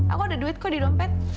aku ada duit kok di dompet